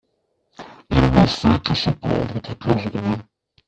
il ne fait que se plaindre toute la journée.